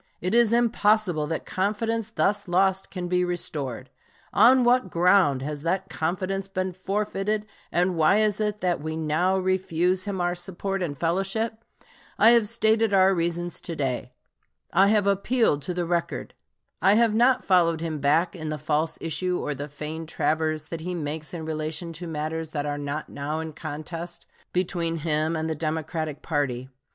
It is impossible that confidence thus lost can be restored. On what ground has that confidence been forfeited, and why is it that we now refuse him our support and fellowship? I have stated our reasons to day. I have appealed to the record. I have not followed him back in the false issue or the feigned traverse that he makes in relation to matters that are not now in contest between him and the Democratic party.